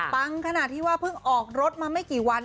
ปังขนาดที่เพิ่งออกรถไปไม่กี่วัน